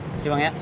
kasih bang ya